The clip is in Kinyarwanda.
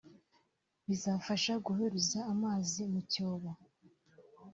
bizafasha guhuriza amazi mu cyobo